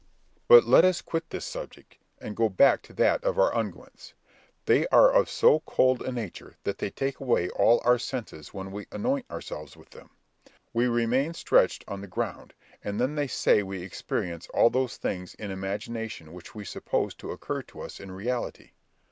"But let us quit this subject, and go back to that of our unguents. They are of so cold a nature that they take away all our senses when we anoint ourselves with them; we remain stretched on the ground, and then they say we experience all those things in imagination which we suppose to occur to us in reality.